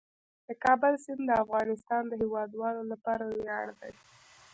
د کابل سیند د افغانستان د هیوادوالو لپاره ویاړ دی.